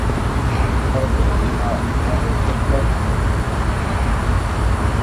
Portugalgo ligan bigarren postuan amaitu du.